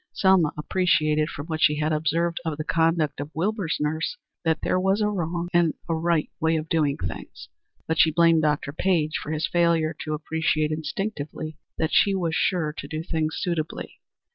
Selma appreciated from what she had observed of the conduct of Wilbur's nurse that there was a wrong and a right way of doing things, but she blamed Dr. Page for his failure to appreciate instinctively that she was sure to do things suitably.